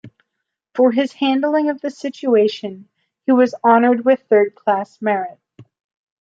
For his handling of the situation he was honored with third-class merit.